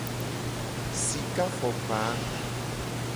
Sika fokpa.